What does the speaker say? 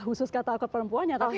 khusus kata hak hak perempuannya